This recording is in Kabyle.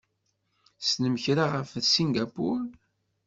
Tessnem kra ɣef Singapur?